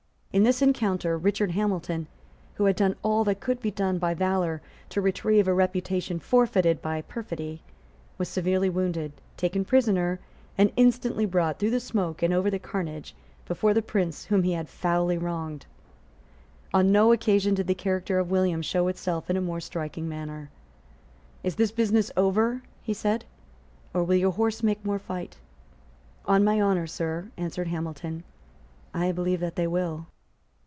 In this encounter Richard Hamilton, who had done all that could be done by valour to retrieve a reputation forfeited by perfidy, was severely wounded, taken prisoner, and instantly brought, through the smoke and over the carnage, before the prince whom he had foully wronged. On no occasion did the character of William show itself in a more striking manner. "Is this business over?" he said; "or will your horse make more fight?" "On my honour, Sir," answered Hamilton, "I believe that they will."